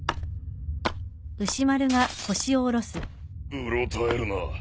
うろたえるな。